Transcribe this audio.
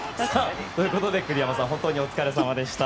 ということで栗山さん本当にお疲れさまでした。